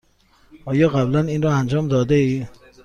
آیا قبلا این را انجام داده ای؟